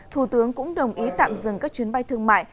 thủ tướng cũng đồng ý tạm dừng các chuyến bay thương mại